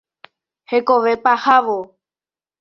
Hekove pahávo.